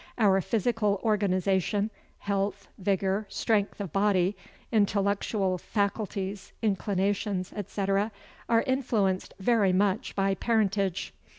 Our physical organization, health, vigour, strength of body, intellectual faculties, inclinations, &c., are influenced very much by parentage.